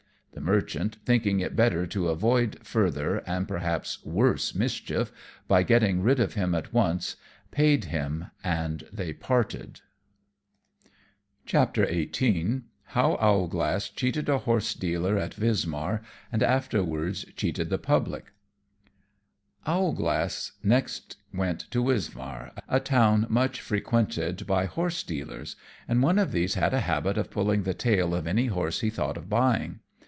The Merchant thinking it better to avoid further, and perhaps worse, mischief by getting rid of him at once, paid him, and they parted. [Illustration: Owlglass's "skilful" Coachmanship.] [Decoration] XVIII. How Owlglass cheated a Horse dealer at Wismar, and afterwards cheated the Public. Owlglass next went to Wismar, a town much frequented by horse dealers, and one of these had a habit of pulling the tail of any horse he thought of buying.